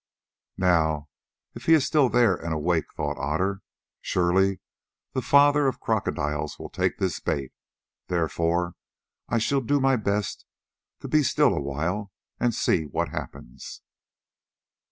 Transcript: "Now, if he is still there and awake," thought Otter, "surely the father of crocodiles will take this bait; therefore I shall do best to be still awhile and see what happens."